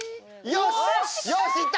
よしいった！